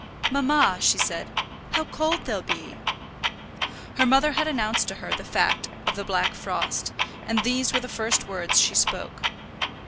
"Mamma," she said, "how cold they'll be!" Her mother had announced to her the fact of the black frost, and these were the first words she spoke.